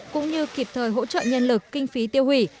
cũng như kịp thời hỗ trợ nhân lực kinh phí tiêu hủy